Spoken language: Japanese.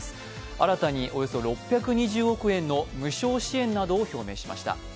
新たにおよそ６２０億円の無償支援などを表明しました。